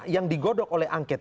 yang digodok oleh angket